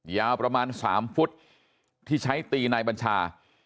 ยาวประมาณ๓ฟุตที่ใช้ตีนายบัญชา